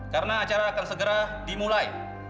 karena acara akan segera dimulai